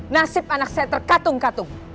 nasib anak saya terkatung katung